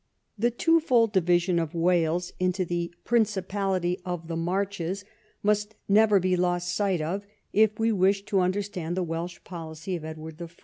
The twofold division of Wales into the Principality 20 EDWARD I chap. and the Marches must never be lost sight of if we wish to understand the Welsh policy of Edward I.